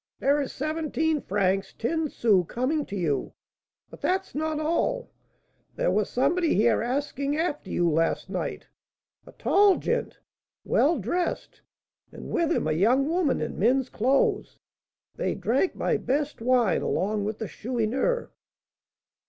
"There is seventeen francs ten sous coming to you; but that's not all. There was somebody here asking after you last night, a tall gent, well dressed, and with him a young woman in men's clothes. They drank my best wine along with the Chourineur."